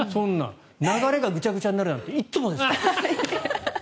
流れがぐちゃぐちゃになるなんていつもですから。